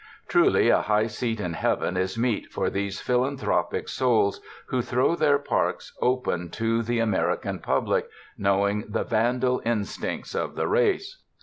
Truly a high seat in heaven is meet for these philanthropic souls who throw their parks open to the American 230 TOURIST TOWNS public, knowing the vandal instincts of the race.